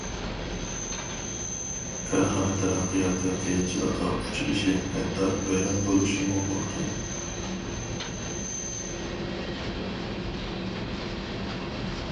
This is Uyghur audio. كارخانا تەرەققىياتى قىيىنچىلىققا ئۇچرىشى ھەتتا ۋەيران بولۇشىمۇ مۇمكىن.